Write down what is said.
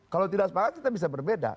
kalau tidak sepakat kita bisa berbeda